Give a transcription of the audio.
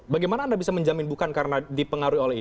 bagaimana anda bisa menjamin bukan karena dipengaruhi